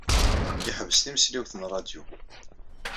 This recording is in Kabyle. Yeḥbes timesliwt n ṛṛadyu.